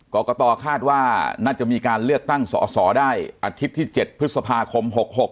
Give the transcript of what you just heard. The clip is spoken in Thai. กรกตคาดว่าน่าจะมีการเลือกตั้งสอสอได้อาทิตย์ที่๗พฤษภาคม๖๖